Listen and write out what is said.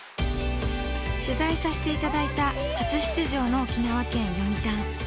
取材させていただいた初出場の沖縄県・読谷。